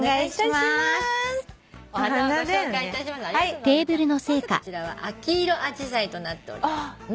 まずこちらは秋色アジサイとなっております。